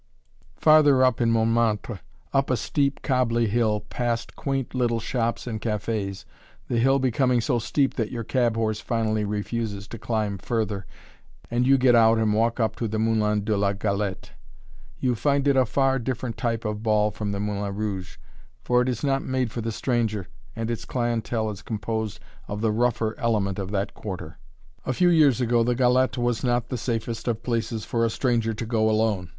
Farther up in Montmartre, up a steep, cobbly hill, past quaint little shops and cafés, the hill becoming so steep that your cab horse finally refuses to climb further, and you get out and walk up to the "Moulin de la Galette." You find it a far different type of ball from the "Moulin Rouge," for it is not made for the stranger, and its clientèle is composed of the rougher element of that quarter. [Illustration: (street scene)] A few years ago the "Galette" was not the safest of places for a stranger to go to alone.